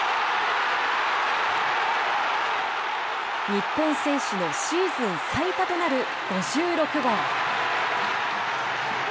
日本選手のシーズン最多となる５６号。